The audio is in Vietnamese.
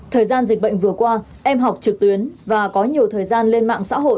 thời gian dịch bệnh vừa qua em học trực tuyến và có nhiều thời gian lên mạng xã hội